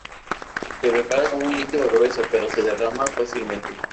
Se prepara como un líquido grueso pero se derrama fácilmente.